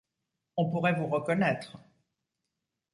On pourrait vous reconnaître.